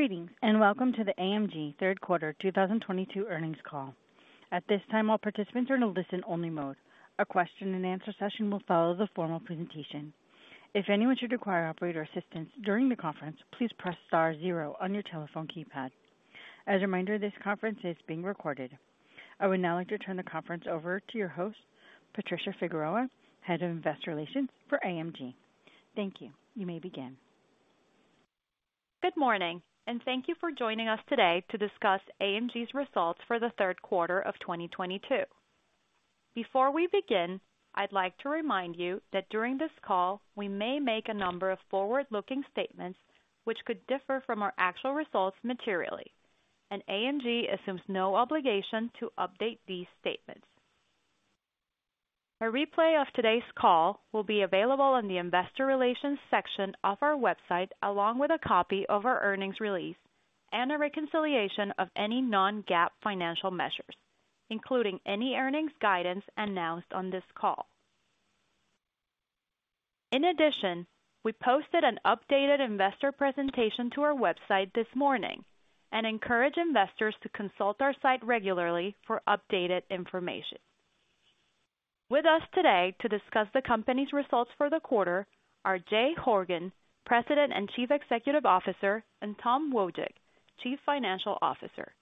Greetings, and welcome to the AMG third quarter 2022 earnings call. At this time, all participants are in a listen only mode. A question and answer session will follow the formal presentation. If anyone should require operator assistance during the conference, please press star zero on your telephone keypad. As a reminder, this conference is being recorded. I would now like to turn the conference over to your host, Patricia Figueroa, Head of Investor Relations for AMG. Thank you. You may begin. Good morning, and thank you for joining us today to discuss AMG's results for the third quarter of 2022. Before we begin, I'd like to remind you that during this call, we may make a number of forward-looking statements which could differ from our actual results materially. AMG assumes no obligation to update these statements. A replay of today's call will be available in the investor relations section of our website, along with a copy of our earnings release and a reconciliation of any non-GAAP financial measures, including any earnings guidance announced on this call. In addition, we posted an updated investor presentation to our website this morning and encourage investors to consult our site regularly for updated information. With us today to discuss the company's results for the quarter are Jay Horgen, President and Chief Executive Officer, and Tom Wojcik, Chief Financial Officer.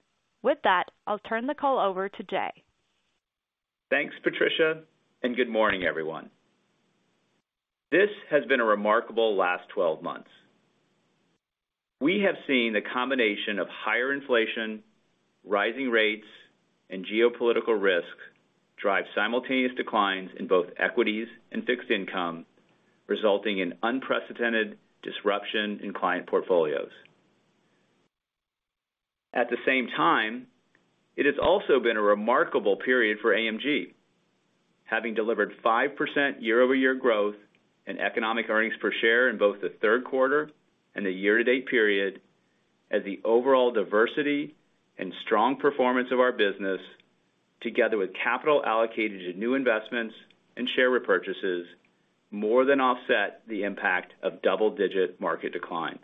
With that, I'll turn the call over to Jay. Thanks, Patricia, and good morning, everyone. This has been a remarkable last 12 months. We have seen the combination of higher inflation, rising rates, and geopolitical risk drive simultaneous declines in both equities and fixed income, resulting in unprecedented disruption in client portfolios. At the same time, it has also been a remarkable period for AMG, having delivered 5% year-over-year growth in Economic Earnings per share in both the third quarter and the year-to-date period as the overall diversity and strong performance of our business, together with capital allocated to new investments and share repurchases, more than offset the impact of double-digit market declines.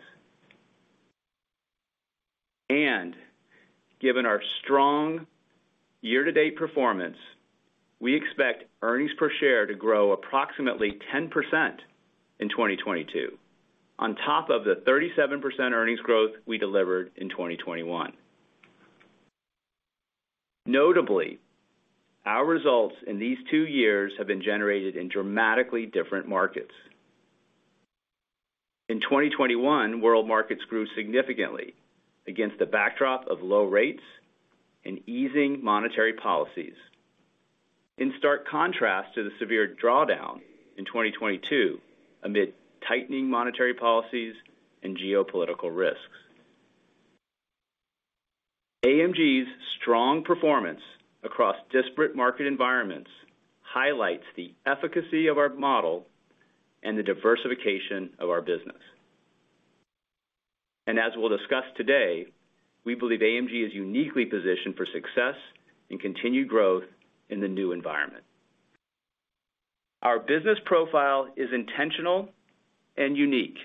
Given our strong year-to-date performance, we expect earnings per share to grow approximately 10% in 2022, on top of the 37% earnings growth we delivered in 2021. Notably, our results in these two years have been generated in dramatically different markets. In 2021, world markets grew significantly against the backdrop of low rates and easing monetary policies. In stark contrast to the severe drawdown in 2022, amid tightening monetary policies and geopolitical risks. AMG's strong performance across disparate market environments highlights the efficacy of our model and the diversification of our business. As we'll discuss today, we believe AMG is uniquely positioned for success and continued growth in the new environment. Our business profile is intentional and unique.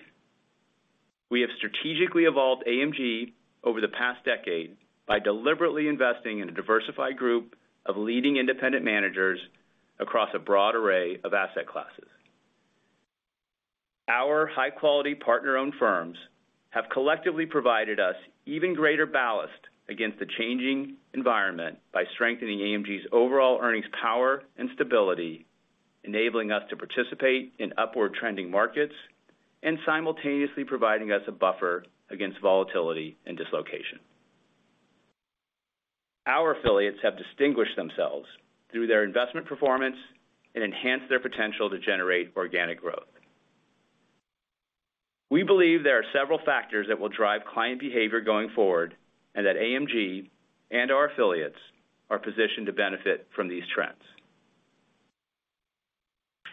We have strategically evolved AMG over the past decade by deliberately investing in a diversified group of leading independent managers across a broad array of asset classes. Our high-quality partner-owned firms have collectively provided us even greater ballast against the changing environment by strengthening AMG's overall earnings power and stability, enabling us to participate in upward trending markets and simultaneously providing us a buffer against volatility and dislocation. Our affiliates have distinguished themselves through their investment performance and enhanced their potential to generate organic growth. We believe there are several factors that will drive client behavior going forward and that AMG and our affiliates are positioned to benefit from these trends.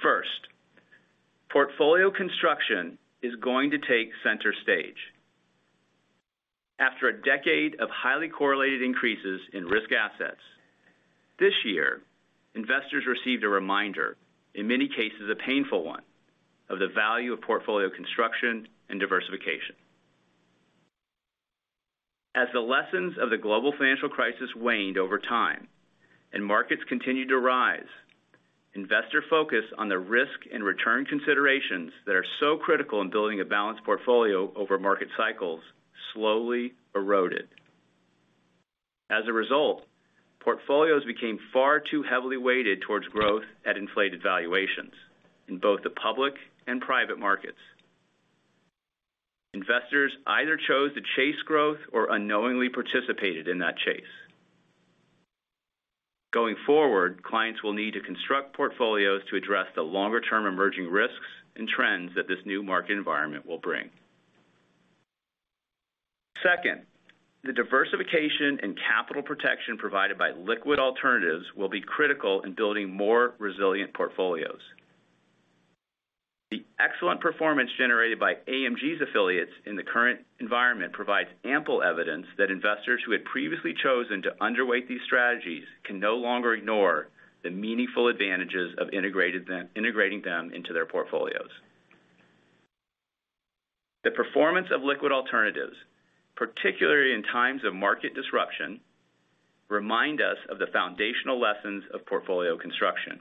First, portfolio construction is going to take center stage. After a decade of highly correlated increases in risk assets, this year, investors received a reminder, in many cases, a painful one, of the value of portfolio construction and diversification. As the lessons of the global financial crisis waned over time and markets continued to rise, investor focus on the risk and return considerations that are so critical in building a balanced portfolio over market cycles slowly eroded. As a result, portfolios became far too heavily weighted towards growth at inflated valuations in both the public and private markets. Investors either chose to chase growth or unknowingly participated in that chase. Going forward, clients will need to construct portfolios to address the longer-term emerging risks and trends that this new market environment will bring. Second, the diversification and capital protection provided by liquid alternatives will be critical in building more resilient portfolios. The excellent performance generated by AMG's affiliates in the current environment provides ample evidence that investors who had previously chosen to underweight these strategies can no longer ignore the meaningful advantages of integrating them into their portfolios. The performance of liquid alternatives, particularly in times of market disruption, remind us of the foundational lessons of portfolio construction.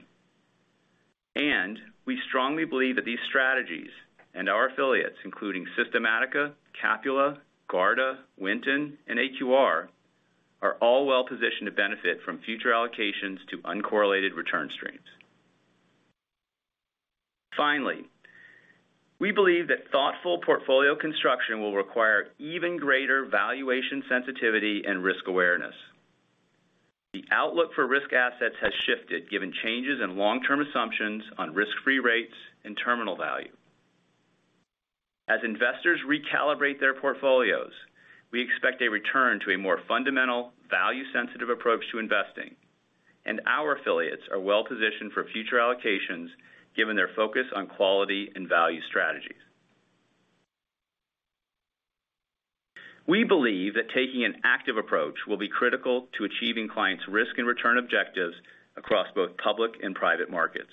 We strongly believe that these strategies and our affiliates, including Systematica, Capula, Garda, Winton, and AQR, are all well positioned to benefit from future allocations to uncorrelated return streams. Finally, we believe that thoughtful portfolio construction will require even greater valuation sensitivity and risk awareness. The outlook for risk assets has shifted given changes in long-term assumptions on risk-free rates and terminal value. As investors recalibrate their portfolios, we expect a return to a more fundamental, value-sensitive approach to investing, and our affiliates are well-positioned for future allocations given their focus on quality and value strategies. We believe that taking an active approach will be critical to achieving clients' risk and return objectives across both public and private markets.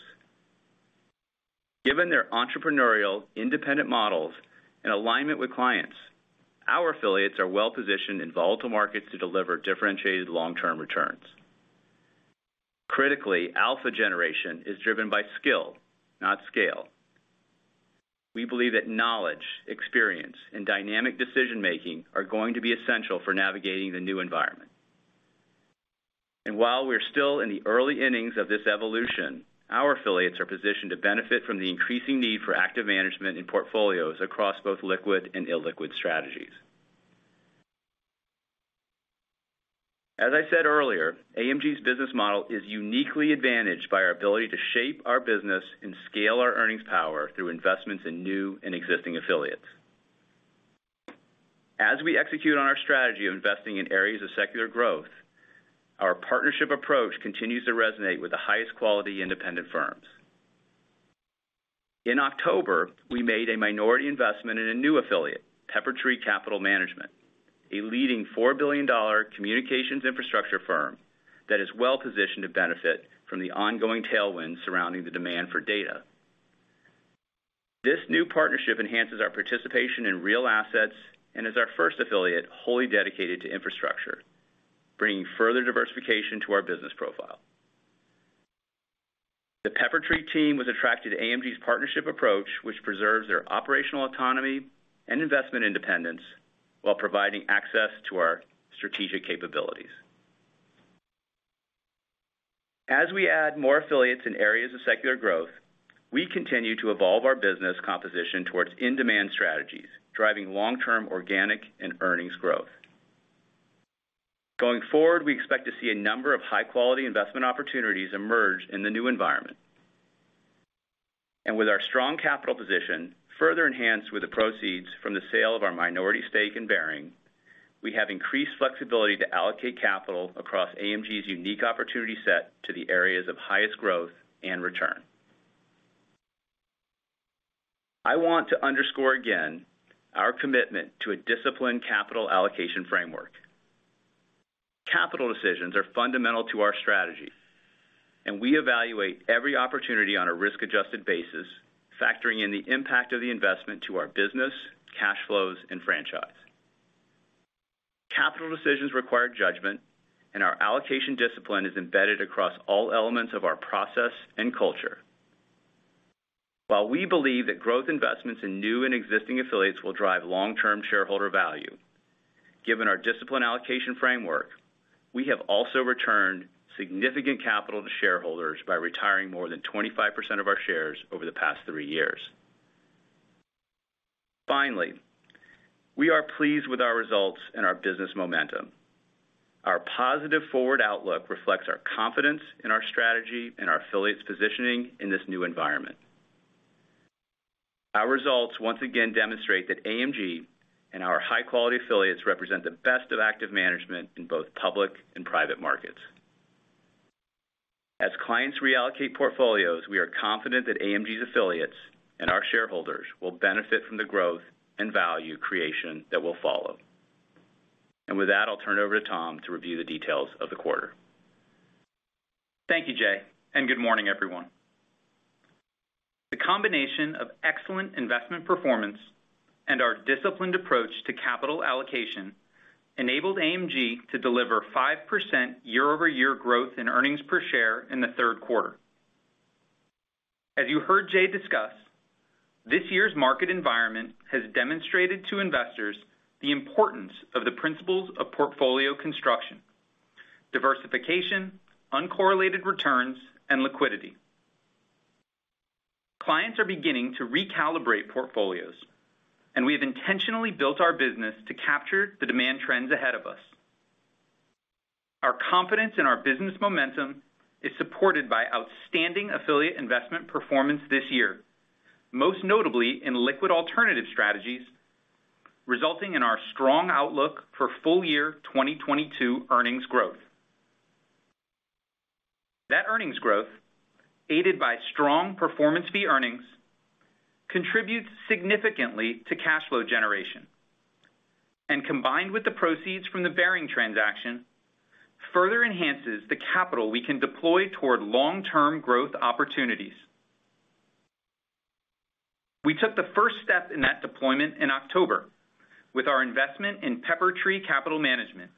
Given their entrepreneurial independent models and alignment with clients, our affiliates are well-positioned in volatile markets to deliver differentiated long-term returns. Critically, alpha generation is driven by skill, not scale. We believe that knowledge, experience, and dynamic decision-making are going to be essential for navigating the new environment. While we're still in the early innings of this evolution, our affiliates are positioned to benefit from the increasing need for active management in portfolios across both liquid and illiquid strategies. As I said earlier, AMG's business model is uniquely advantaged by our ability to shape our business and scale our earnings power through investments in new and existing affiliates. As we execute on our strategy of investing in areas of secular growth, our partnership approach continues to resonate with the highest quality independent firms. In October, we made a minority investment in a new affiliate, Peppertree Capital Management, a leading $4 billion communications infrastructure firm that is well-positioned to benefit from the ongoing tailwind surrounding the demand for data. This new partnership enhances our participation in real assets and is our first affiliate wholly dedicated to infrastructure, bringing further diversification to our business profile. The Peppertree team was attracted to AMG's partnership approach, which preserves their operational autonomy and investment independence while providing access to our strategic capabilities. As we add more affiliates in areas of secular growth, we continue to evolve our business composition towards in-demand strategies, driving long-term organic and earnings growth. Going forward, we expect to see a number of high-quality investment opportunities emerge in the new environment. With our strong capital position, further enhanced with the proceeds from the sale of our minority stake in Baring, we have increased flexibility to allocate capital across AMG's unique opportunity set to the areas of highest growth and return. I want to underscore again our commitment to a disciplined capital allocation framework. Capital decisions are fundamental to our strategy, and we evaluate every opportunity on a risk-adjusted basis, factoring in the impact of the investment to our business, cash flows, and franchise. Capital decisions require judgment, and our allocation discipline is embedded across all elements of our process and culture. While we believe that growth investments in new and existing affiliates will drive long-term shareholder value, given our disciplined allocation framework, we have also returned significant capital to shareholders by retiring more than 25% of our shares over the past three years. Finally, we are pleased with our results and our business momentum. Our positive forward outlook reflects our confidence in our strategy and our affiliates' positioning in this new environment. Our results once again demonstrate that AMG and our high-quality affiliates represent the best of active management in both public and private markets. As clients reallocate portfolios, we are confident that AMG's affiliates and our shareholders will benefit from the growth and value creation that will follow. With that, I'll turn it over to Tom to review the details of the quarter. Thank you, Jay, and good morning, everyone. The combination of excellent investment performance and our disciplined approach to capital allocation enabled AMG to deliver 5% year-over-year growth in earnings per share in the third quarter. As you heard Jay discuss, this year's market environment has demonstrated to investors the importance of the principles of portfolio construction, diversification, uncorrelated returns, and liquidity. Clients are beginning to recalibrate portfolios, and we have intentionally built our business to capture the demand trends ahead of us. Our confidence in our business momentum is supported by outstanding affiliate investment performance this year, most notably in liquid alternative strategies, resulting in our strong outlook for full year 2022 earnings growth. That earnings growth, aided by strong performance fee earnings, contributes significantly to cash flow generation. Combined with the proceeds from the Baring transaction, further enhances the capital we can deploy toward long-term growth opportunities. We took the first step in that deployment in October with our investment in Peppertree Capital Management,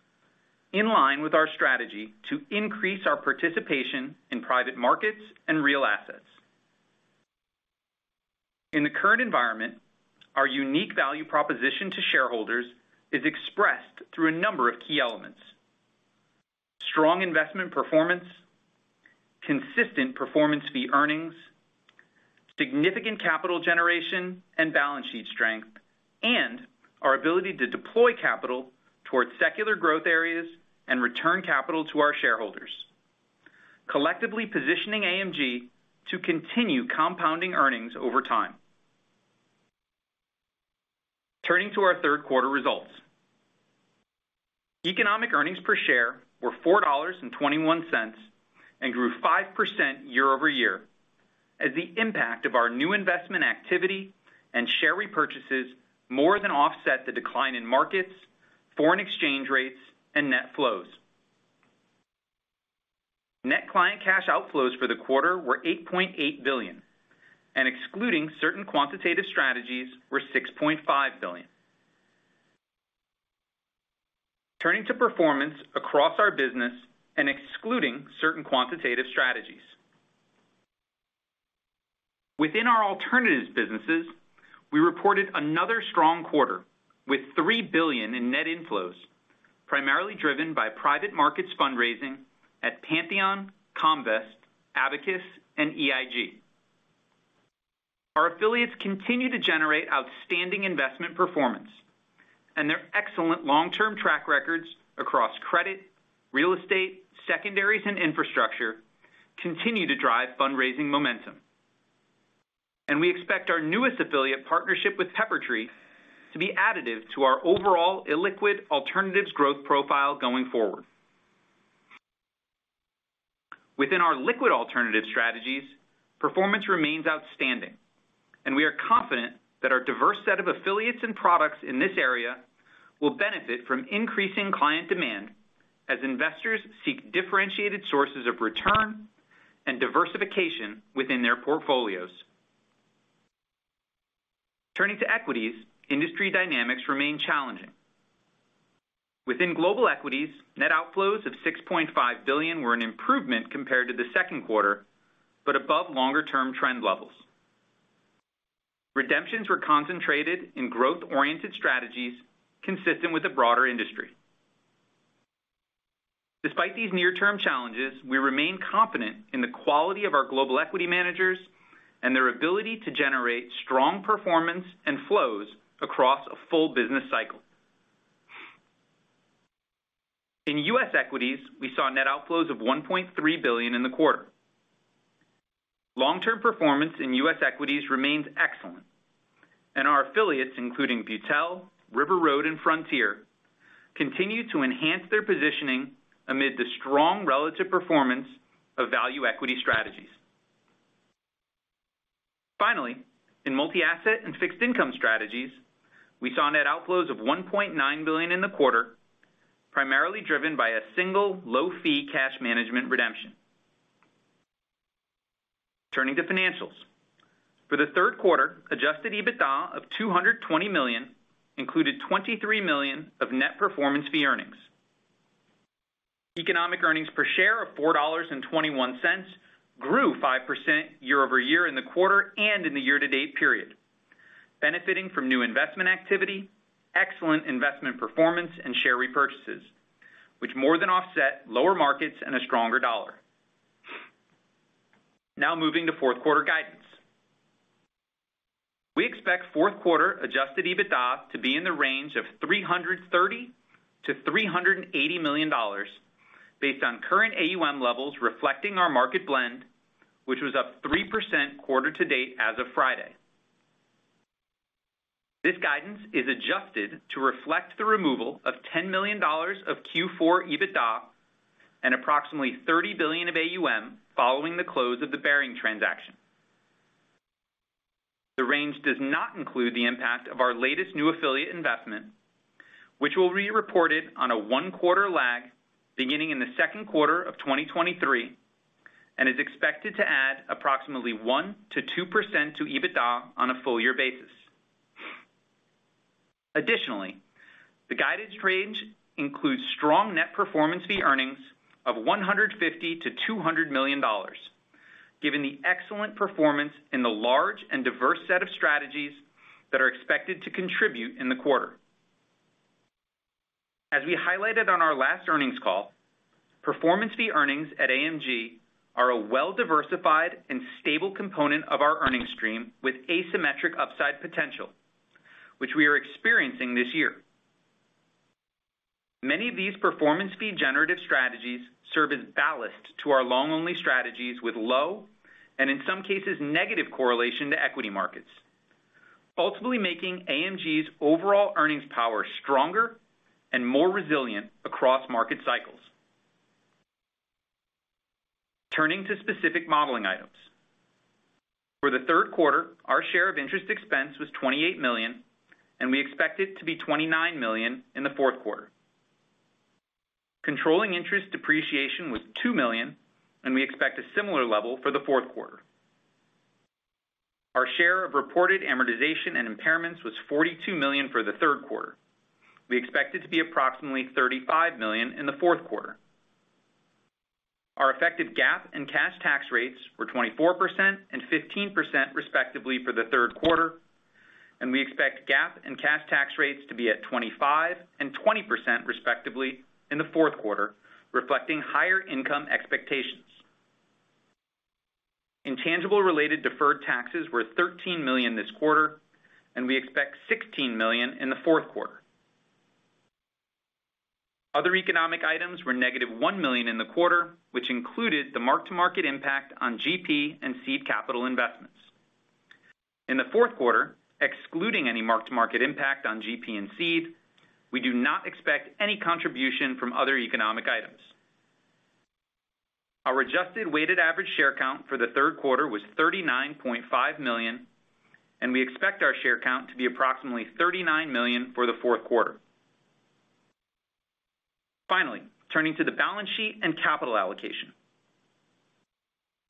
in line with our strategy to increase our participation in private markets and real assets. In the current environment, our unique value proposition to shareholders is expressed through a number of key elements. Strong investment performance, consistent performance fee earnings, significant capital generation and balance sheet strength, and our ability to deploy capital towards secular growth areas and return capital to our shareholders, collectively positioning AMG to continue compounding earnings over time. Turning to our third quarter results. Economic Earnings per share were $4.21, and grew 5% year-over-year, as the impact of our new investment activity and share repurchases more than offset the decline in markets, foreign exchange rates, and net flows. Net client cash outflows for the quarter were $8.8 billion, and excluding certain quantitative strategies were $6.5 billion. Turning to performance across our business and excluding certain quantitative strategies. Within our alternatives businesses, we reported another strong quarter with $3 billion in net inflows, primarily driven by private markets fundraising at Pantheon, Comvest, Abacus, and EIG. Our affiliates continue to generate outstanding investment performance, and their excellent long-term track records across credit, real estate, secondaries, and infrastructure continue to drive fundraising momentum. We expect our newest affiliate partnership with Peppertree to be additive to our overall illiquid alternatives growth profile going forward. Within our liquid alternative strategies, performance remains outstanding, and we are confident that our diverse set of affiliates and products in this area will benefit from increasing client demand as investors seek differentiated sources of return and diversification within their portfolios. Turning to equities, industry dynamics remain challenging. Within global equities, net outflows of $6.5 billion were an improvement compared to the second quarter, but above longer-term trend levels. Redemptions were concentrated in growth-oriented strategies consistent with the broader industry. Despite these near-term challenges, we remain confident in the quality of our global equity managers and their ability to generate strong performance and flows across a full business cycle. In U.S. equities, we saw net outflows of $1.3 billion in the quarter. Long-term performance in U.S. equities remains excellent, and our affiliates, including Beutel, River Road, and Frontier, continue to enhance their positioning amid the strong relative performance of value equity strategies. Finally, in multi-asset and fixed income strategies, we saw net outflows of $1.9 billion in the quarter, primarily driven by a single low-fee cash management redemption. Turning to financials. For the third quarter, adjusted EBITDA of $220 million included $23 million of net performance fee earnings. Economic earnings per share of $4.21 grew 5% year-over-year in the quarter and in the year-to-date period, benefiting from new investment activity, excellent investment performance, and share repurchases, which more than offset lower markets and a stronger dollar. Now moving to fourth quarter guidance. We expect fourth quarter adjusted EBITDA to be in the range of $330 million-$380 million based on current AUM levels reflecting our market blend, which was up 3% quarter to date as of Friday. This guidance is adjusted to reflect the removal of $10 million of Q4 EBITDA and approximately $30 billion of AUM following the close of the Baring transaction. The range does not include the impact of our latest new affiliate investment, which will be reported on a one-quarter lag beginning in the second quarter of 2023 and is expected to add approximately 1%-2% to EBITDA on a full year basis. Additionally, the guidance range includes strong net performance fee earnings of $150 million-$200 million, given the excellent performance in the large and diverse set of strategies that are expected to contribute in the quarter. As we highlighted on our last earnings call, performance fee earnings at AMG are a well-diversified and stable component of our earnings stream with asymmetric upside potential, which we are experiencing this year. Many of these performance fee generative strategies serve as ballast to our long-only strategies with low, and in some cases, negative correlation to equity markets, ultimately making AMG's overall earnings power stronger and more resilient across market cycles. Turning to specific modeling items. For the third quarter, our share of interest expense was $28 million, and we expect it to be $29 million in the fourth quarter. Controlling interest depreciation was $2 million, and we expect a similar level for the fourth quarter. Our share of reported amortization and impairments was $42 million for the third quarter. We expect it to be approximately $35 million in the fourth quarter. Our effective GAAP and cash tax rates were 24% and 15% respectively for the third quarter, and we expect GAAP and cash tax rates to be at 25% and 20% respectively in the fourth quarter, reflecting higher income expectations. Intangible-related deferred taxes were $13 million this quarter, and we expect $16 million in the fourth quarter. Other economic items were negative $1 million in the quarter, which included the mark-to-market impact on GP and seed capital investments. In the fourth quarter, excluding any mark-to-market impact on GP and seed, we do not expect any contribution from other economic items. Our adjusted weighted average share count for the third quarter was 39.5 million, and we expect our share count to be approximately 39 million for the fourth quarter. Finally, turning to the balance sheet and capital allocation.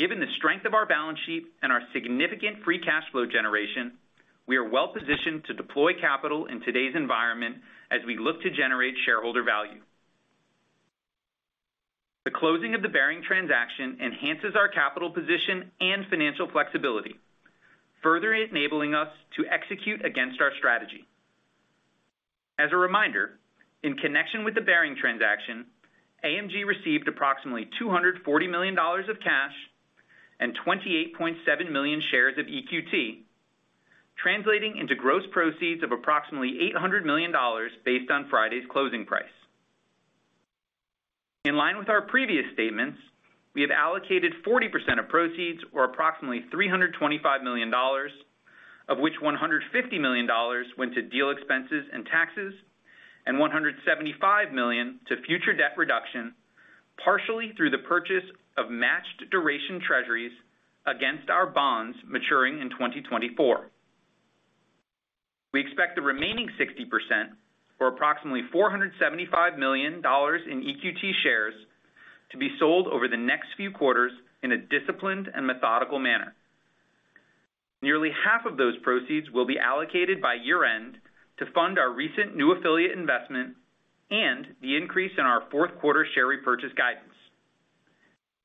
Given the strength of our balance sheet and our significant free cash flow generation, we are well-positioned to deploy capital in today's environment as we look to generate shareholder value. The closing of the Baring transaction enhances our capital position and financial flexibility, further enabling us to execute against our strategy. As a reminder, in connection with the Baring transaction, AMG received approximately $240 million of cash and 28.7 million shares of EQT, translating into gross proceeds of approximately $800 million based on Friday's closing price. In line with our previous statements, we have allocated 40% of proceeds or approximately $325 million, of which $150 million went to deal expenses and taxes and $175 million to future debt reduction, partially through the purchase of matched duration Treasuries against our bonds maturing in 2024. We expect the remaining 60% or approximately $475 million in EQT shares to be sold over the next few quarters in a disciplined and methodical manner. Nearly half of those proceeds will be allocated by year-end to fund our recent new affiliate investment and the increase in our fourth quarter share repurchase guidance.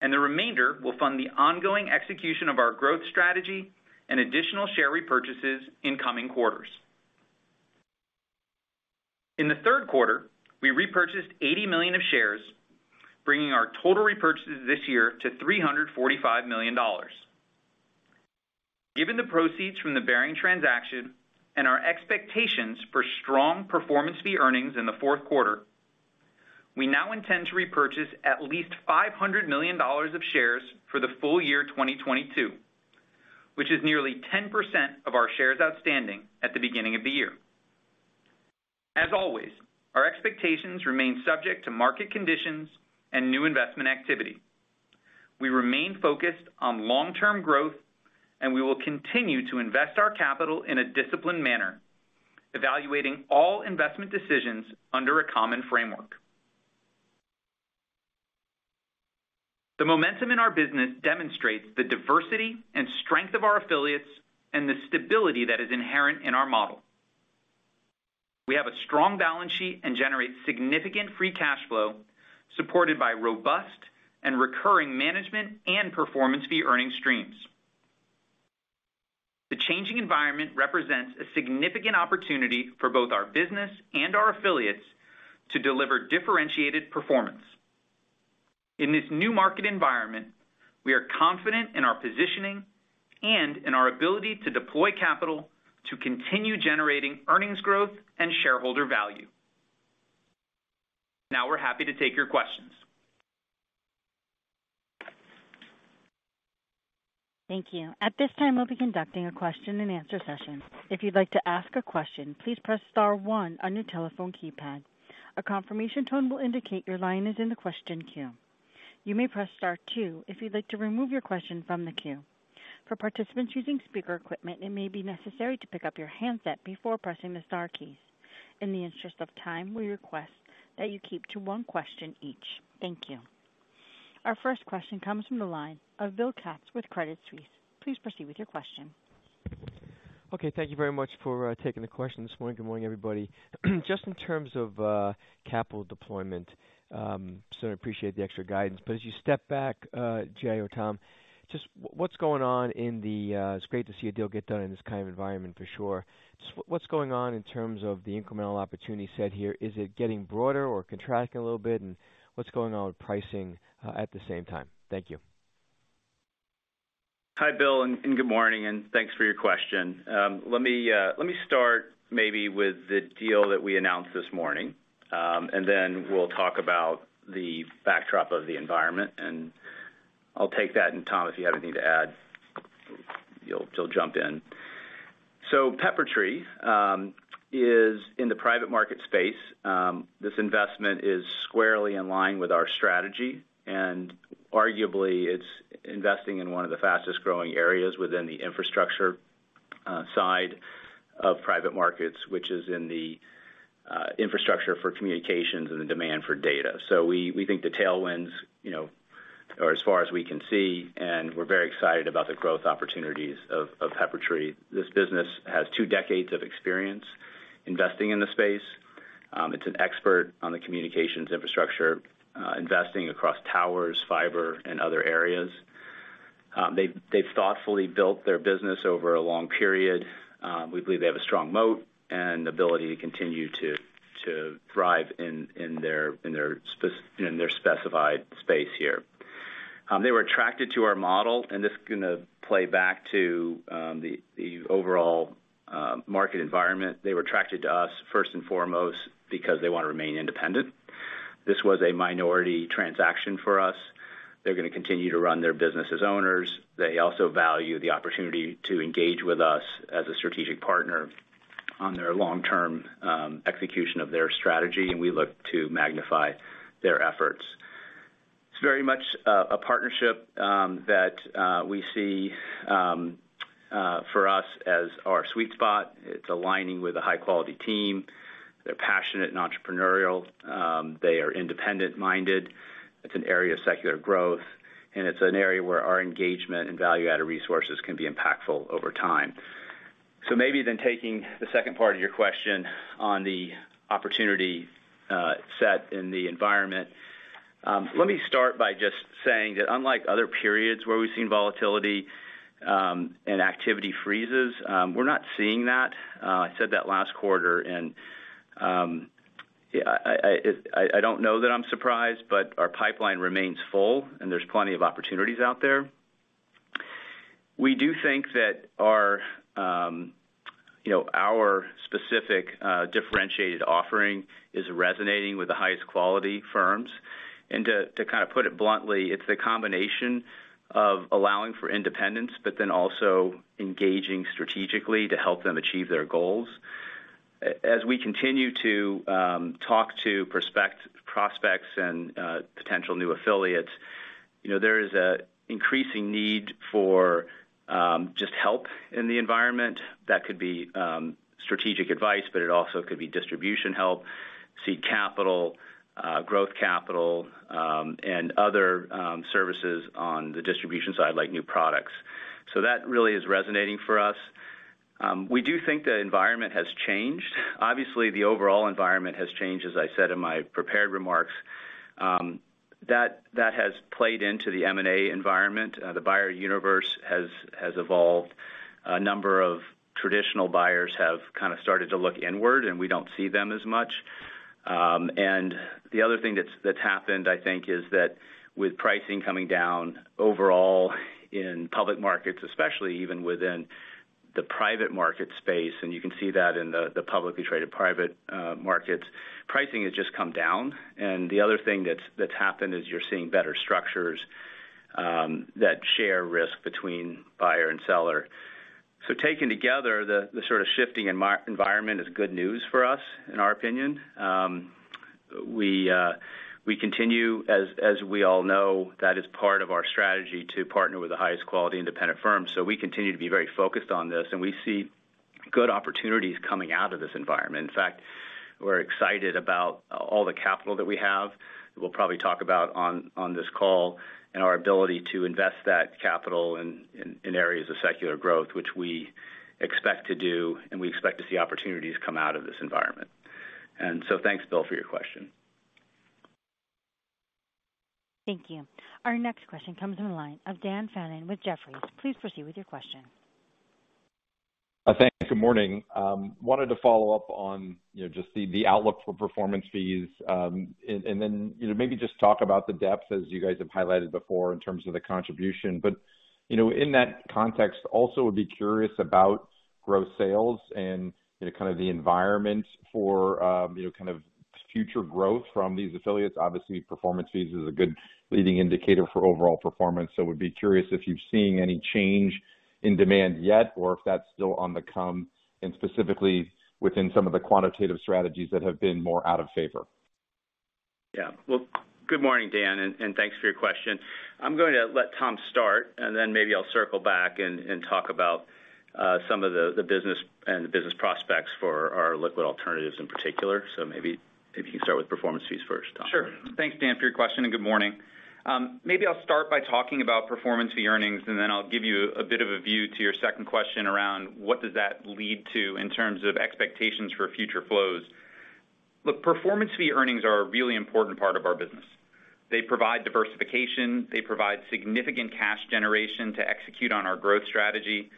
The remainder will fund the ongoing execution of our growth strategy and additional share repurchases in coming quarters. In the third quarter, we repurchased $80 million of shares, bringing our total repurchases this year to $345 million. Given the proceeds from the Baring transaction and our expectations for strong performance fee earnings in the fourth quarter, we now intend to repurchase at least $500 million of shares for the full year 2022, which is nearly 10% of our shares outstanding at the beginning of the year. As always, our expectations remain subject to market conditions and new investment activity. We remain focused on long-term growth, and we will continue to invest our capital in a disciplined manner, evaluating all investment decisions under a common framework. The momentum in our business demonstrates the diversity and strength of our affiliates and the stability that is inherent in our model. We have a strong balance sheet and generate significant free cash flow, supported by robust and recurring management and performance fee earning streams. The changing environment represents a significant opportunity for both our business and our affiliates to deliver differentiated performance. In this new market environment, we are confident in our positioning and in our ability to deploy capital to continue generating earnings growth and shareholder value. Now we're happy to take your questions. Thank you. At this time, we'll be conducting a question-and-answer session. If you'd like to ask a question, please press star one on your telephone keypad. A confirmation tone will indicate your line is in the question queue. You may press star two if you'd like to remove your question from the queue. For participants using speaker equipment, it may be necessary to pick up your handset before pressing the star keys. In the interest of time, we request that you keep to one question each. Thank you. Our first question comes from the line of Bill Katz with Crédit Suisse. Please proceed with your question. Okay. Thank you very much for taking the question this morning. Good morning, everybody. Just in terms of capital deployment, so I appreciate the extra guidance. As you step back, Jay or Tom, it's great to see a deal get done in this kind of environment for sure. Just what's going on in terms of the incremental opportunity set here? Is it getting broader or contracting a little bit? And what's going on with pricing at the same time? Thank you. Hi, Bill, and good morning, and thanks for your question. Let me start maybe with the deal that we announced this morning, and then we'll talk about the backdrop of the environment, and I'll take that. Tom, if you have anything to add. She'll jump in. Peppertree is in the private markets space. This investment is squarely in line with our strategy, and arguably it's investing in one of the fastest-growing areas within the infrastructure side of private markets, which is in the infrastructure for communications and the demand for data. We think the tailwinds, you know, are as far as we can see, and we're very excited about the growth opportunities of Peppertree. This business has two decades of experience investing in the space. It's an expert on the communications infrastructure, investing across towers, fiber, and other areas. They've thoughtfully built their business over a long period. We believe they have a strong moat and ability to continue to thrive in their specified space here. They were attracted to our model, and this is gonna play back to the overall market environment. They were attracted to us first and foremost because they wanna remain independent. This was a minority transaction for us. They're gonna continue to run their business as owners. They also value the opportunity to engage with us as a strategic partner on their long-term execution of their strategy, and we look to magnify their efforts. It's very much a partnership that we see for us as our sweet spot. It's aligning with a high-quality team. They're passionate and entrepreneurial. They are independent-minded. It's an area of secular growth, and it's an area where our engagement and value-added resources can be impactful over time. Maybe then taking the second part of your question on the opportunity set in the environment. Let me start by just saying that unlike other periods where we've seen volatility, and activity freezes, we're not seeing that. I said that last quarter, and yeah, I don't know that I'm surprised, but our pipeline remains full, and there's plenty of opportunities out there. We do think that our, you know, our specific differentiated offering is resonating with the highest quality firms. To kind of put it bluntly, it's the combination of allowing for independence, but then also engaging strategically to help them achieve their goals. As we continue to talk to prospects and potential new affiliates, you know, there is an increasing need for just help in the environment. That could be strategic advice, but it also could be distribution help, seed capital, growth capital, and other services on the distribution side, like new products. That really is resonating for us. We do think the environment has changed. Obviously, the overall environment has changed, as I said in my prepared remarks. That has played into the M&A environment. The buyer universe has evolved. A number of traditional buyers have kind of started to look inward, and we don't see them as much. The other thing that's happened, I think, is that with pricing coming down overall in public markets, especially even within the private market space, and you can see that in the publicly traded private markets, pricing has just come down. The other thing that's happened is you're seeing better structures that share risk between buyer and seller. Taken together, the sort of shifting environment is good news for us, in our opinion. We continue, as we all know, that is part of our strategy to partner with the highest quality independent firms. We continue to be very focused on this, and we see good opportunities coming out of this environment. In fact, we're excited about all the capital that we have. We'll probably talk about on this call and our ability to invest that capital in areas of secular growth, which we expect to do, and we expect to see opportunities come out of this environment. Thanks, Bill, for your question. Thank you. Our next question comes from the line of Dan Fannon with Jefferies. Please proceed with your question. Thanks. Good morning. Wanted to follow up on, you know, just the outlook for performance fees. And then, you know, maybe just talk about the depth as you guys have highlighted before in terms of the contribution. You know, in that context also would be curious about growth sales and, you know, kind of the environment for, you know, kind of future growth from these affiliates. Obviously, performance fees is a good leading indicator for overall performance. Would be curious if you're seeing any change in demand yet, or if that's still on the come, and specifically within some of the quantitative strategies that have been more out of favor. Yeah. Well, good morning, Dan, and thanks for your question. I'm going to let Tom start, and then maybe I'll circle back and talk about some of the business and the business prospects for our liquid alternatives in particular. Maybe you can start with performance fees first, Tom. Sure. Thanks, Dan, for your question and good morning. Maybe I'll start by talking about performance fee earnings, and then I'll give you a bit of a view to your second question around what does that lead to in terms of expectations for future flows. Look, performance fee earnings are a really important part of our business. They provide diversification. They provide significant cash generation to execute on our growth strategy.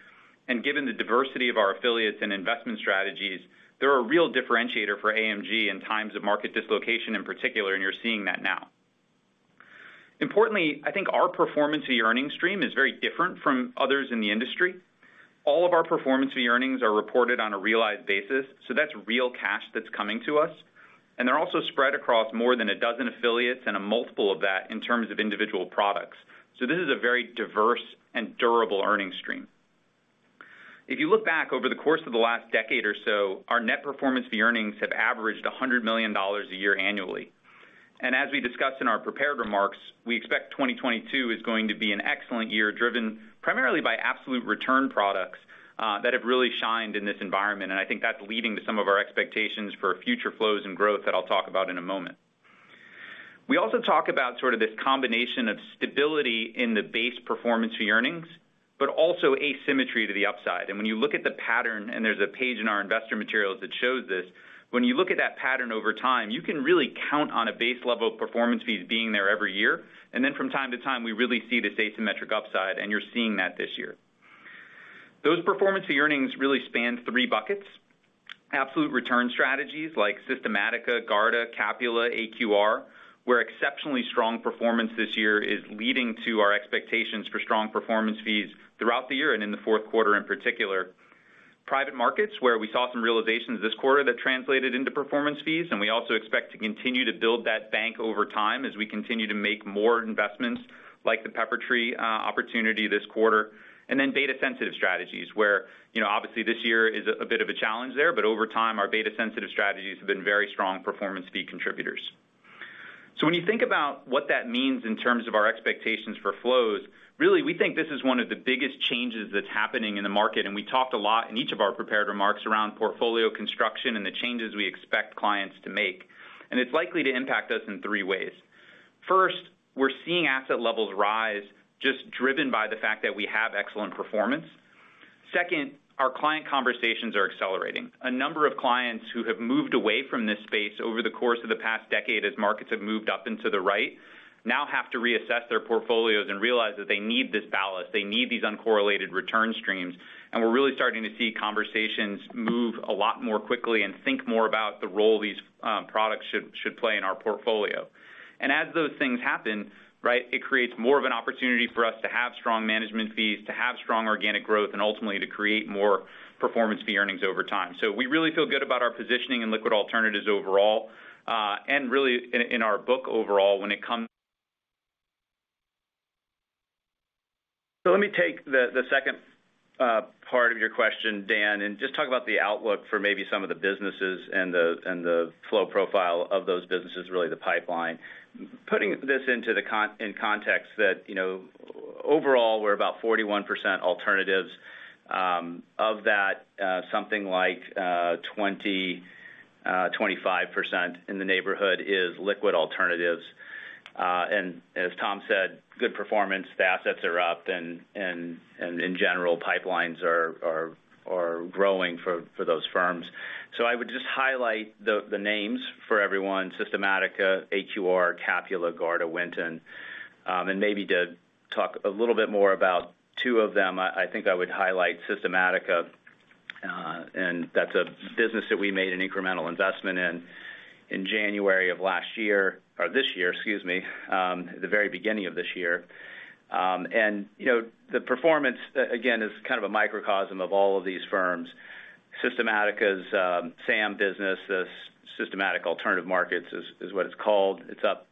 Given the diversity of our affiliates and investment strategies, they're a real differentiator for AMG in times of market dislocation in particular, and you're seeing that now. Importantly, I think our performance fee earnings stream is very different from others in the industry. All of our performance fee earnings are reported on a realized basis, so that's real cash that's coming to us. They're also spread across more than a dozen affiliates and a multiple of that in terms of individual products. This is a very diverse and durable earning stream. If you look back over the course of the last decade or so, our net performance fee earnings have averaged $100 million a year annually. As we discussed in our prepared remarks, we expect 2022 is going to be an excellent year, driven primarily by absolute return products that have really shined in this environment. I think that's leading to some of our expectations for future flows and growth that I'll talk about in a moment. We also talk about sort of this combination of stability in the base performance fee earnings, but also asymmetry to the upside. When you look at the pattern, and there's a page in our investor materials that shows this, when you look at that pattern over time, you can really count on a base level of performance fees being there every year. Then from time to time, we really see this asymmetric upside, and you're seeing that this year. Those performance fee earnings really span three buckets. Absolute return strategies like Systematica, Garda, Capula, AQR, where exceptionally strong performance this year is leading to our expectations for strong performance fees throughout the year and in the fourth quarter in particular. Private markets, where we saw some realizations this quarter that translated into performance fees, and we also expect to continue to build that bank over time as we continue to make more investments like the Peppertree opportunity this quarter. Beta-sensitive strategies, where, you know, obviously this year is a bit of a challenge there, but over time, our beta-sensitive strategies have been very strong performance fee contributors. When you think about what that means in terms of our expectations for flows, really, we think this is one of the biggest changes that's happening in the market, and we talked a lot in each of our prepared remarks around portfolio construction and the changes we expect clients to make. It's likely to impact us in three ways. First, we're seeing asset levels rise just driven by the fact that we have excellent performance. Second, our client conversations are accelerating. A number of clients who have moved away from this space over the course of the past decade as markets have moved up and to the right now have to reassess their portfolios and realize that they need this ballast, they need these uncorrelated return streams. We're really starting to see conversations move a lot more quickly and think more about the role these products should play in our portfolio. As those things happen, right, it creates more of an opportunity for us to have strong management fees, to have strong organic growth, and ultimately to create more performance fee earnings over time. We really feel good about our positioning in liquid alternatives overall, and really in our book overall. Let me take the second part of your question, Dan, and just talk about the outlook for maybe some of the businesses and the flow profile of those businesses, really the pipeline. Putting this into context that, you know, overall, we're about 41% alternatives. Of that, something like 25% in the neighborhood is liquid alternatives. And as Tom said, good performance. The assets are up, and in general, pipelines are growing for those firms. I would just highlight the names for everyone. Systematica, AQR, Capula, Garda, Winton. Maybe to talk a little bit more about two of them, I think I would highlight Systematica, and that's a business that we made an incremental investment in January of last year, or this year, excuse me, the very beginning of this year. You know, the performance, again, is kind of a microcosm of all of these firms. Systematica's SAM business, this Systematic Alternative Markets is what it's called. It's up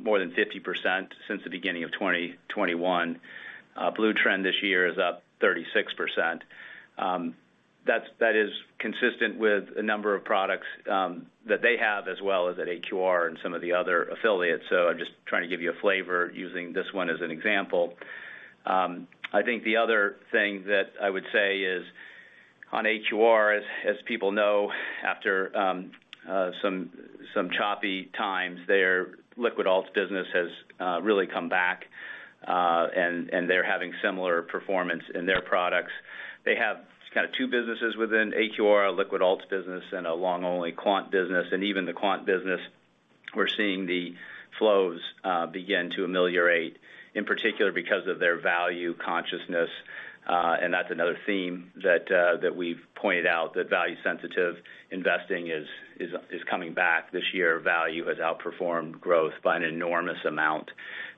more than 50% since the beginning of 2021. BlueTrend this year is up 36%. That is consistent with a number of products that they have, as well as at AQR and some of the other affiliates. I'm just trying to give you a flavor using this one as an example. I think the other thing that I would say is on AQR, as people know, after some choppy times, their liquid alts business has really come back, and they're having similar performance in their products. They have kind of two businesses within AQR, a liquid alts business and a long-only quant business. Even the quant business, we're seeing the flows begin to ameliorate, in particular because of their value consciousness, and that's another theme that we've pointed out, that value-sensitive investing is coming back this year. Value has outperformed growth by an enormous amount,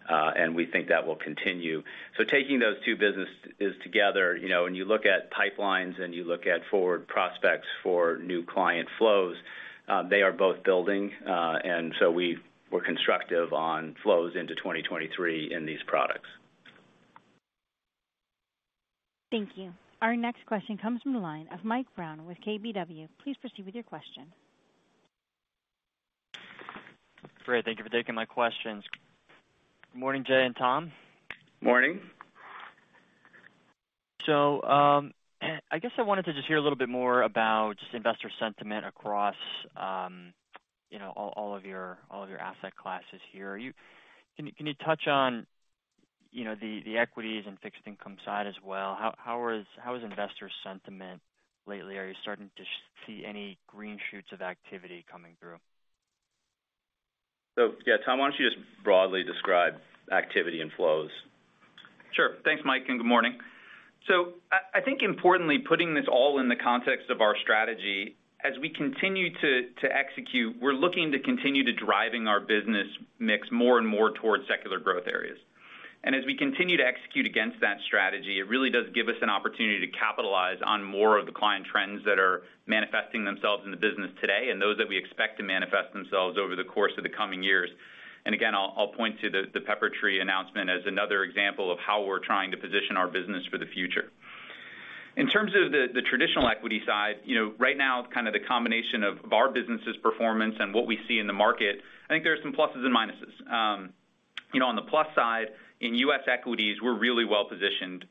and we think that will continue. Taking those two business together, you know, when you look at pipelines and you look at forward prospects for new client flows, they are both building. We're constructive on flows into 2023 in these products. Thank you. Our next question comes from the line of Mike Brown with KBW. Please proceed with your question. Great. Thank you for taking my questions. Morning, Jay and Tom. Morning. I guess I wanted to just hear a little bit more about just investor sentiment across, you know, all of your asset classes here. Can you touch on, you know, the equities and fixed income side as well? How is investor sentiment lately? Are you starting to see any green shoots of activity coming through? Yeah, Tom, why don't you just broadly describe activity and flows? Sure. Thanks, Mike, and good morning. I think importantly, putting this all in the context of our strategy, as we continue to execute, we're looking to continue to driving our business mix more and more towards secular growth areas. As we continue to execute against that strategy, it really does give us an opportunity to capitalize on more of the client trends that are manifesting themselves in the business today and those that we expect to manifest themselves over the course of the coming years. Again, I'll point to the Peppertree announcement as another example of how we're trying to position our business for the future. In terms of the traditional equity side, you know, right now, kind of the combination of our business's performance and what we see in the market, I think there are some pluses and minuses. You know, on the plus side, in U.S. equities, we're really well-positioned.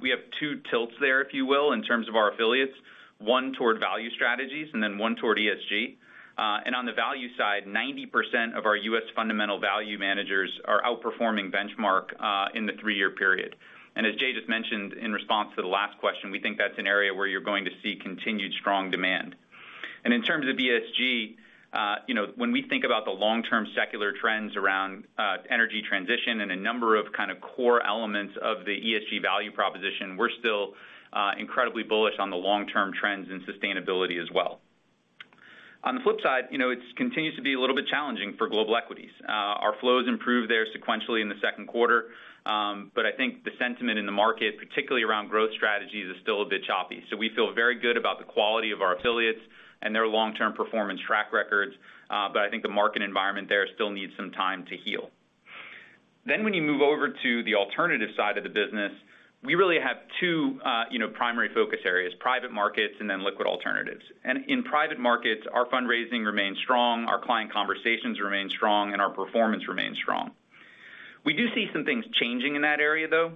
We have two tilts there, if you will, in terms of our affiliates, one toward value strategies and then one toward ESG. On the value side, 90% of our U.S. fundamental value managers are outperforming benchmark in the three-year period. As Jay just mentioned in response to the last question, we think that's an area where you're going to see continued strong demand. In terms of ESG, you know, when we think about the long-term secular trends around energy transition and a number of kind of core elements of the ESG value proposition, we're still incredibly bullish on the long-term trends and sustainability as well. On the flip side, you know, it continues to be a little bit challenging for global equities. Our flows improved there sequentially in the second quarter. I think the sentiment in the market, particularly around growth strategies, is still a bit choppy. We feel very good about the quality of our affiliates and their long-term performance track records, but I think the market environment there still needs some time to heal. When you move over to the alternative side of the business, we really have two, you know, primary focus areas, private markets and then liquid alternatives. In private markets, our fundraising remains strong, our client conversations remain strong, and our performance remains strong. We do see some things changing in that area, though.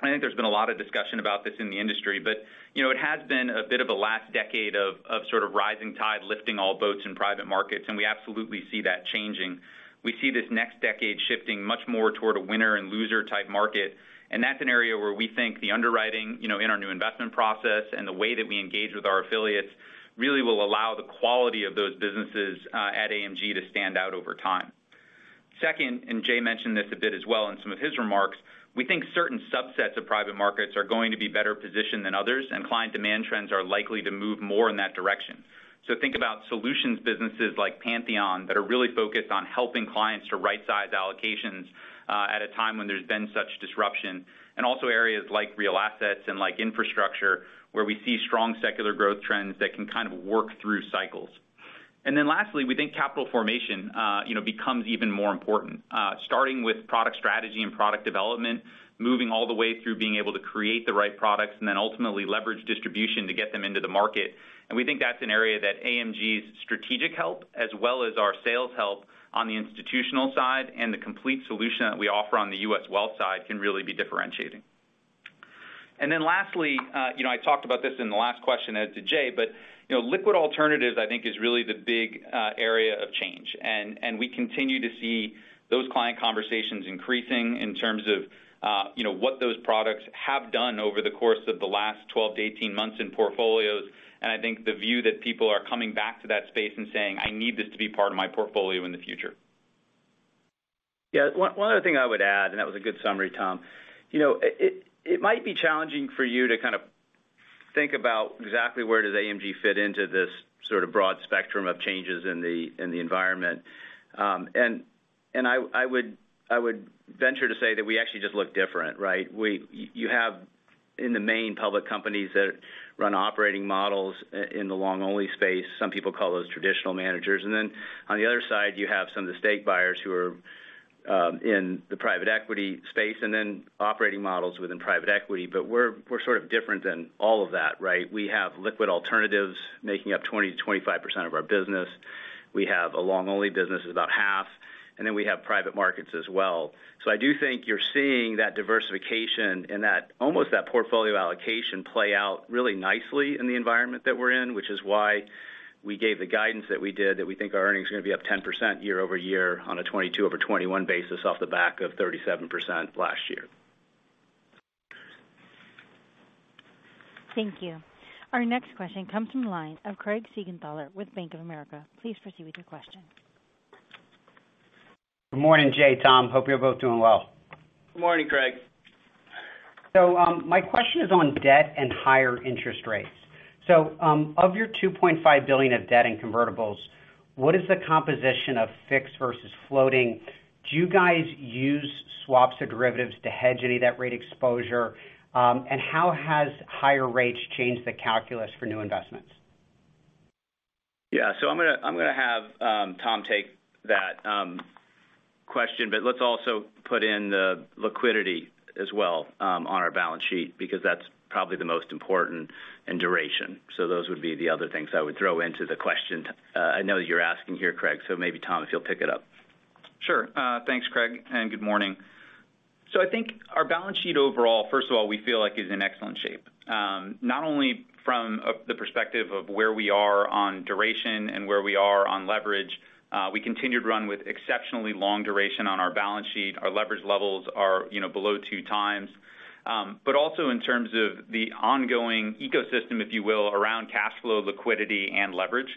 I think there's been a lot of discussion about this in the industry, but, you know, it has been a bit of a last decade of sort of rising tide lifting all boats in private markets, and we absolutely see that changing. We see this next decade shifting much more toward a winner and loser type market, and that's an area where we think the underwriting, you know, in our new investment process and the way that we engage with our affiliates really will allow the quality of those businesses, at AMG to stand out over time. Second, and Jay mentioned this a bit as well in some of his remarks, we think certain subsets of private markets are going to be better positioned than others, and client demand trends are likely to move more in that direction. Think about solutions businesses like Pantheon that are really focused on helping clients to right-size allocations, at a time when there's been such disruption, and also areas like real assets and like infrastructure, where we see strong secular growth trends that can kind of work through cycles. Lastly, we think capital formation, you know, becomes even more important, starting with product strategy and product development, moving all the way through being able to create the right products, and then ultimately leverage distribution to get them into the market. We think that's an area that AMG's strategic help as well as our sales help on the institutional side and the complete solution that we offer on the U.S. wealth side can really be differentiating. Then lastly, you know, I talked about this in the last question as to Jay, but, you know, liquid alternatives, I think is really the big area of change. We continue to see those client conversations increasing in terms of, you know, what those products have done over the course of the last 12-18 months in portfolios. I think the view that people are coming back to that space and saying, "I need this to be part of my portfolio in the future. Yeah. One other thing I would add, and that was a good summary, Tom. You know, it might be challenging for you to kind of think about exactly where does AMG fit into this sort of broad spectrum of changes in the environment? I would venture to say that we actually just look different, right? You have in the main public companies that run operating models in the long only space. Some people call those traditional managers. Then on the other side, you have some of the stake buyers who are in the private equity space, and then operating models within private equity. But we're sort of different than all of that, right? We have liquid alternatives making up 20%-25% of our business. We have a long only business is about half, and then we have private markets as well. I do think you're seeing that diversification and that, almost that portfolio allocation play out really nicely in the environment that we're in, which is why we gave the guidance that we did, that we think our earnings are gonna be up 10% year-over-year on a 2022 over 2021 basis off the back of 37% last year. Thank you. Our next question comes from the line of Craig Siegenthaler with Bank of America. Please proceed with your question. Good morning, Jay, Tom. Hope you're both doing well. Good morning, Craig. My question is on debt and higher interest rates. Of your $2.5 billion of debt and convertibles, what is the composition of fixed versus floating? Do you guys use swaps or derivatives to hedge any of that rate exposure? How has higher rates changed the calculus for new investments? Yeah. I'm gonna have Tom take that question, but let's also put in the liquidity as well on our balance sheet because that's probably the most important in duration. Those would be the other things I would throw into the question, I know that you're asking here, Craig. Maybe, Tom, if you'll pick it up. Sure. Thanks, Craig, and good morning. I think our balance sheet overall, first of all, we feel like is in excellent shape. Not only from the perspective of where we are on duration and where we are on leverage, we continue to run with exceptionally long duration on our balance sheet. Our leverage levels are, you know, below 2 times. Also in terms of the ongoing ecosystem, if you will, around cash flow, liquidity and leverage.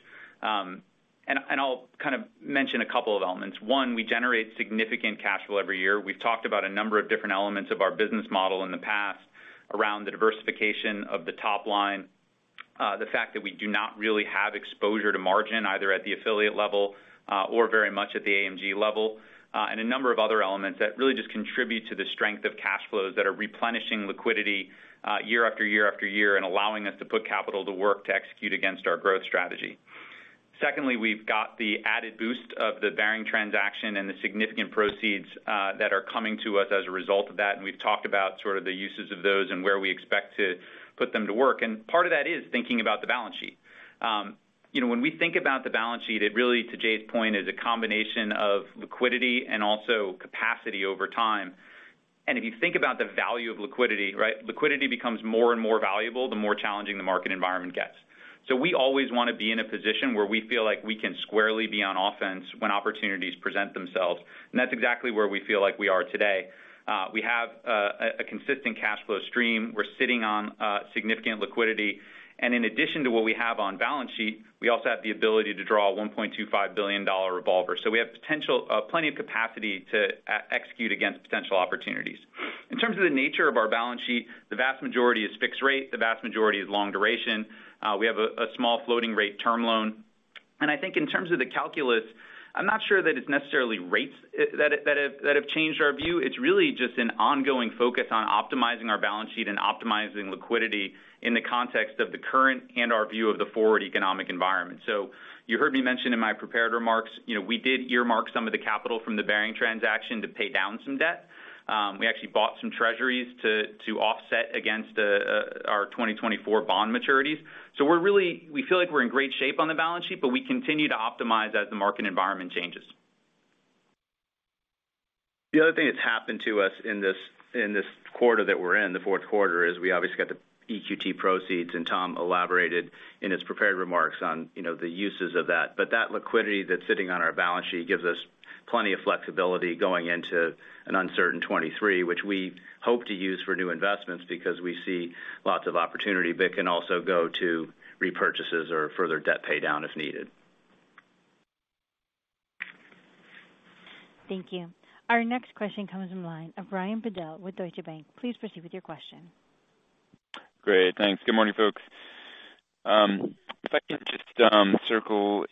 I'll kind of mention a couple of elements. One, we generate significant cash flow every year. We've talked about a number of different elements of our business model in the past around the diversification of the top line. The fact that we do not really have exposure to margin, either at the affiliate level, or very much at the AMG level, and a number of other elements that really just contribute to the strength of cash flows that are replenishing liquidity, year after year after year, and allowing us to put capital to work to execute against our growth strategy. Secondly, we've got the added boost of the Baring transaction and the significant proceeds that are coming to us as a result of that, and we've talked about sort of the uses of those and where we expect to put them to work. Part of that is thinking about the balance sheet. You know, when we think about the balance sheet, it really, to Jay's point, is a combination of liquidity and also capacity over time. If you think about the value of liquidity, right? Liquidity becomes more and more valuable, the more challenging the market environment gets. We always wanna be in a position where we feel like we can squarely be on offense when opportunities present themselves. That's exactly where we feel like we are today. We have a consistent cash flow stream. We're sitting on significant liquidity. In addition to what we have on balance sheet, we also have the ability to draw a $1.25 billion revolver. We have plenty of capacity to execute against potential opportunities. In terms of the nature of our balance sheet, the vast majority is fixed rate, the vast majority is long duration. We have a small floating rate term loan. I think in terms of the calculus, I'm not sure that it's necessarily rates that have changed our view. It's really just an ongoing focus on optimizing our balance sheet and optimizing liquidity in the context of the current and our view of the forward economic environment. You heard me mention in my prepared remarks, you know, we did earmark some of the capital from the Baring transaction to pay down some debt. We actually bought some Treasuries to offset against our 2024 bond maturities. We feel like we're in great shape on the balance sheet, but we continue to optimize as the market environment changes. The other thing that's happened to us in this quarter that we're in, the fourth quarter, is we obviously got the EQT proceeds, and Tom elaborated in his prepared remarks on, you know, the uses of that. That liquidity that's sitting on our balance sheet gives us plenty of flexibility going into an uncertain 2023, which we hope to use for new investments because we see lots of opportunity, but can also go to repurchases or further debt pay down, if needed. Thank you. Our next question comes in line of Brian Bedell with Deutsche Bank. Please proceed with your question. Great. Thanks. Good morning, folks. If I could just circle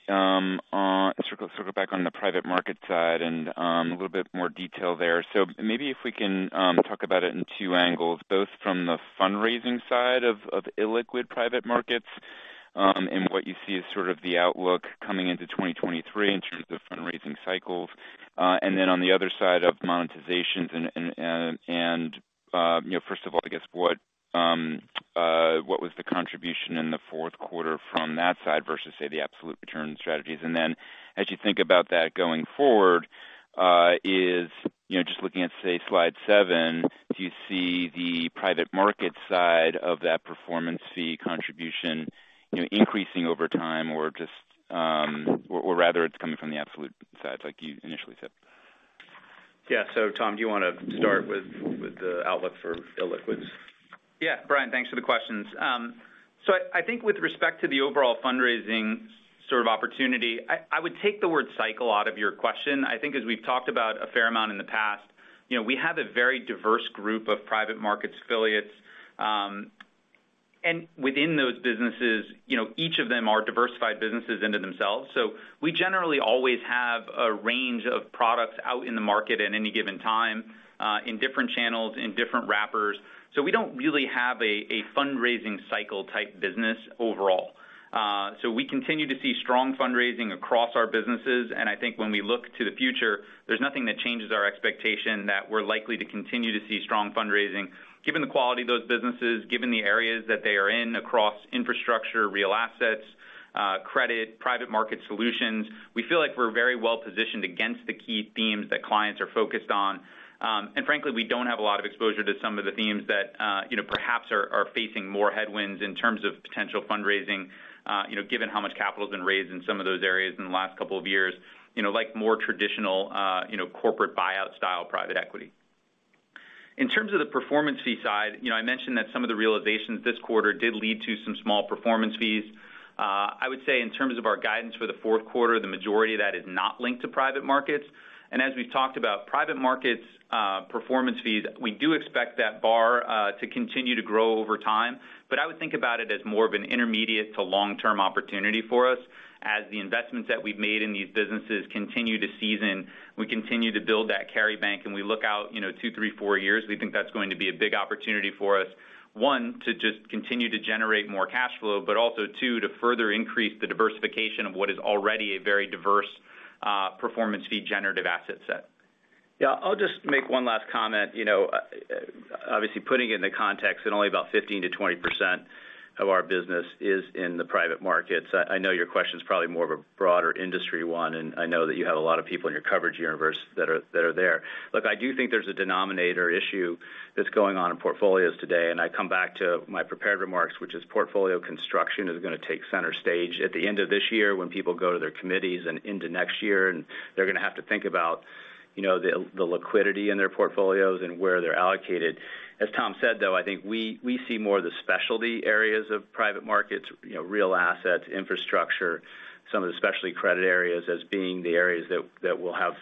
back on the private markets side and a little bit more detail there. Maybe if we can talk about it in two angles, both from the fundraising side of illiquid private markets and what you see as sort of the outlook coming into 2023 in terms of fundraising cycles. And then on the other side of monetizations and, you know, first of all, I guess, what was the contribution in the fourth quarter from that side versus, say, the absolute return strategies? And then as you think about that going forward, is, you know, just looking at, say, slide 7, do you see the private markets side of that performance fee contribution, you know, increasing over time? It's coming from the absolute sides like you initially said. Yeah. Tom, do you wanna start with the outlook for illiquids? Yeah. Brian, thanks for the questions. So I think with respect to the overall fundraising sort of opportunity, I would take the word cycle out of your question. I think as we've talked about a fair amount in the past, you know, we have a very diverse group of private market affiliates, and within those businesses, you know, each of them are diversified businesses into themselves. So we generally always have a range of products out in the market at any given time, in different channels, in different wrappers. So we don't really have a fundraising cycle type business overall. So we continue to see strong fundraising across our businesses. I think when we look to the future, there's nothing that changes our expectation that we're likely to continue to see strong fundraising. Given the quality of those businesses, given the areas that they are in across infrastructure, real assets, credit, private market solutions, we feel like we're very well-positioned against the key themes that clients are focused on. Frankly, we don't have a lot of exposure to some of the themes that, you know, perhaps are facing more headwinds in terms of potential fundraising, you know, given how much capital's been raised in some of those areas in the last couple of years. You know, like more traditional, you know, corporate buyout style private equity. In terms of the performance fee side, you know, I mentioned that some of the realizations this quarter did lead to some small performance fees. I would say in terms of our guidance for the fourth quarter, the majority of that is not linked to private markets. As we've talked about private markets, performance fees, we do expect that bar to continue to grow over time. I would think about it as more of an intermediate to long-term opportunity for us. As the investments that we've made in these businesses continue to season, we continue to build that carry bank, and we look out, you know, 2, 3, 4 years. We think that's going to be a big opportunity for us, one, to just continue to generate more cash flow, but also two, to further increase the diversification of what is already a very diverse, performance fee generative asset set. Yeah. I'll just make one last comment. You know, obviously putting it in the context that only about 15%-20% of our business is in the private markets. I know your question's probably more of a broader industry one, and I know that you have a lot of people in your coverage universe that are there. Look, I do think there's a denominator issue that's going on in portfolios today, and I come back to my prepared remarks, which is portfolio construction is gonna take center stage at the end of this year when people go to their committees and into next year, and they're gonna have to think about, you know, the liquidity in their portfolios and where they're allocated. As Tom said, though, I think we see more of the specialty areas of private markets, real assets, infrastructure, some of the specialty credit areas as being the areas that will have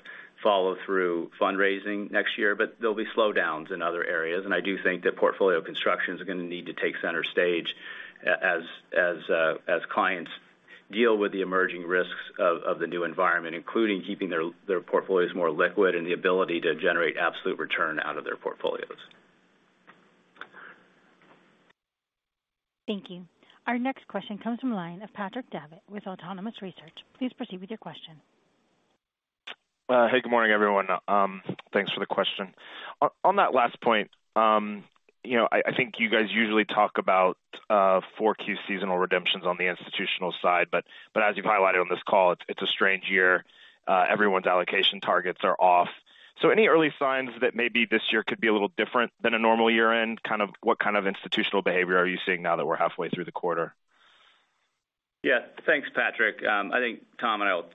follow-through fundraising next year, but there'll be slowdowns in other areas. I do think that portfolio constructions are gonna need to take center stage as clients deal with the emerging risks of the new environment, including keeping their portfolios more liquid and the ability to generate absolute return out of their portfolios. Thank you. Our next question comes from the line of Patrick Davitt with Autonomous Research. Please proceed with your question. Hey, good morning, everyone. Thanks for the question. On that last point, you know, I think you guys usually talk about 4Q seasonal redemptions on the institutional side, but as you've highlighted on this call, it's a strange year. Everyone's allocation targets are off. Any early signs that maybe this year could be a little different than a normal year-end? What kind of institutional behavior are you seeing now that we're halfway through the quarter? Yeah. Thanks, Patrick. I think Tom and I will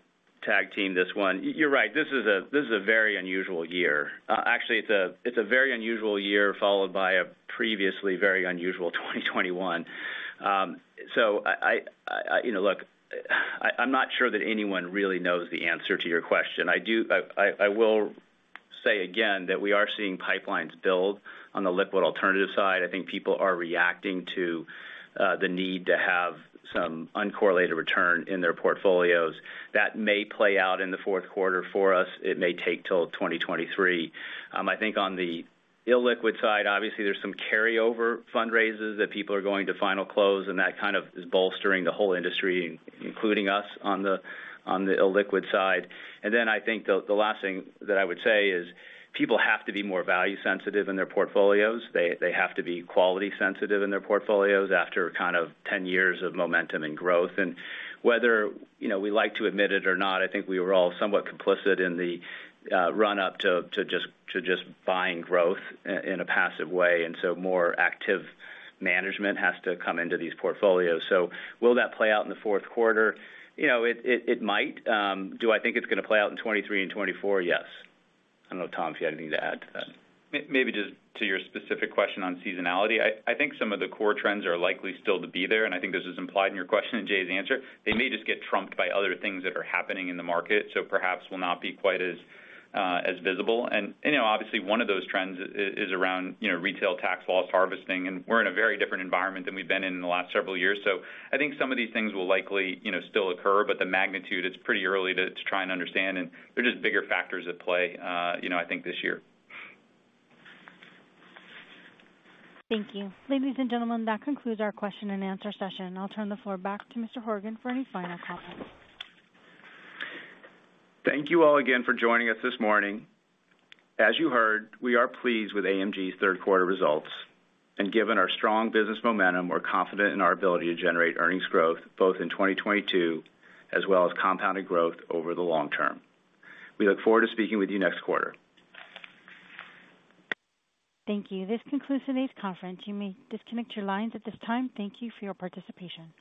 tag team this one. You're right. This is a very unusual year. Actually, it's a very unusual year, followed by a previously very unusual 2021. You know, look, I'm not sure that anyone really knows the answer to your question. I will say again that we are seeing pipelines build on the liquid alternatives side. I think people are reacting to the need to have some uncorrelated return in their portfolios. That may play out in the fourth quarter for us. It may take till 2023. I think on the illiquid side, obviously there's some carryover fundraises that people are going to final close, and that kind of is bolstering the whole industry, including us on the illiquid side. I think the last thing that I would say is people have to be more value sensitive in their portfolios. They have to be quality sensitive in their portfolios after kind of ten years of momentum and growth. Whether, you know, we like to admit it or not, I think we were all somewhat complicit in the run up to just buying growth in a passive way. More active management has to come into these portfolios. Will that play out in the fourth quarter? You know, it might. Do I think it's gonna play out in 2023 and 2024? Yes. I don't know, Tom, if you have anything to add to that. Maybe just to your specific question on seasonality. I think some of the core trends are likely still to be there, and I think this is implied in your question in Jay's answer. They may just get trumped by other things that are happening in the market, so perhaps will not be quite as visible. You know, obviously one of those trends is around, you know, retail tax loss harvesting, and we're in a very different environment than we've been in the last several years. I think some of these things will likely, you know, still occur, but the magnitude, it's pretty early to try and understand, and they're just bigger factors at play, you know, I think this year. Thank you. Ladies and gentlemen, that concludes our question and answer session. I'll turn the floor back to Mr. Horgen for any final comments. Thank you all again for joining us this morning. As you heard, we are pleased with AMG's third quarter results. Given our strong business momentum, we're confident in our ability to generate earnings growth both in 2022 as well as compounded growth over the long term. We look forward to speaking with you next quarter. Thank you. This concludes today's conference. You may disconnect your lines at this time. Thank you for your participation.